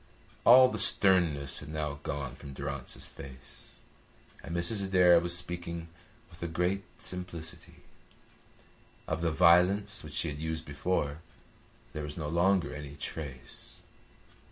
All the sternness had now gone from Durrance's face, and Mrs. Adair was speaking with a great simplicity. Of the violence which she had used before there was no longer any trace.